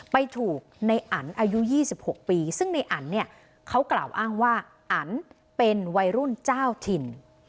ไปถูกในอันอายุ๒๖ปีซึ่งในอันเนี่ยเขากล่าวอ้างว่าอันเป็นวัยรุ่นเจ้าถิ่น